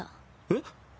えっ？